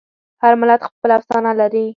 هر ملت خپله افسانه لري.